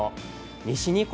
西日本